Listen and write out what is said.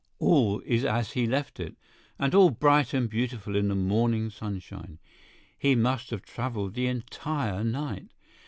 All is as he left it, and all bright and beautiful in the morning sunshine. He must have traveled the entire night.